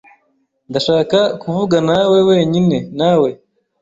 Ndashaka kuvuganawe wenyine nawe .